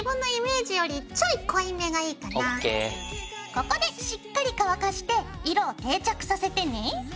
ここでしっかり乾かして色を定着させてね。